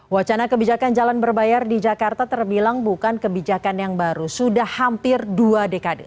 wacana kebijakan jalan berbayar di jakarta terbilang bukan kebijakan yang baru sudah hampir dua dekade